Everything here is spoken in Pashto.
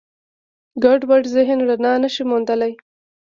ګډوډ ذهن رڼا نهشي موندلی.